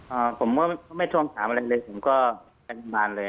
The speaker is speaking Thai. อ่าผมก็ไม่ทวงถามอะไรเลยผมก็ไปทำงานเลย